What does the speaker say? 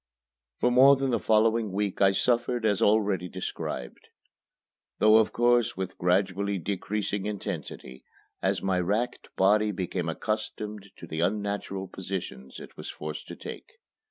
For more than the following week I suffered as already described, though of course with gradually decreasing intensity as my racked body became accustomed to the unnatural positions it was forced to take.